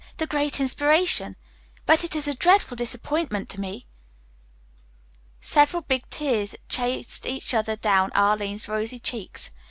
The great inspiration! But it is a dreadful disappointment to me." Several big tears chased each other down Arline's rosy cheeks.